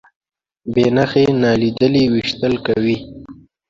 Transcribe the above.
بې نښې نالیدلي ویشتل کوي.